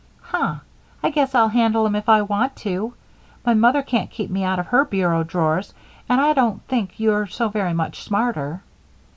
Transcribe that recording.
"Huh! I guess I'll handle 'em if I want to. My mother can't keep me out of her bureau drawers, and I don't think you're so very much smarter."